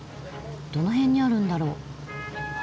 どの辺にあるんだろう？